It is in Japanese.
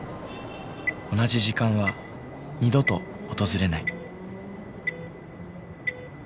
同じ時間は二度と訪れない。